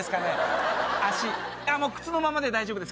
ああもう靴のままで大丈夫です。